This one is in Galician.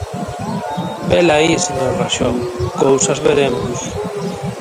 Velaí, señor Raxó, ¡cousas veremos!